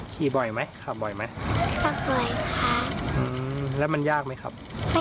ขี่บ่อยไหมขับบ่อยไหมขับบ่อยอืมแล้วมันยากไหมครับ